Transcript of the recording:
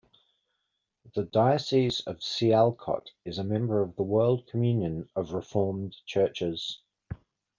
The Diocese of Sialkot is a member of the World Communion of Reformed Churches.